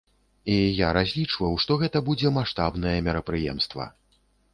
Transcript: І я разлічваў, што гэта будзе маштабнае мерапрыемства.